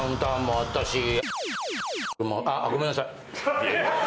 あごめんなさい。